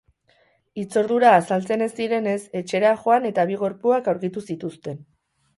Hitzordura azaltzen ez zirenez, etxera joan eta bi gorpuak aurkitu zituzten.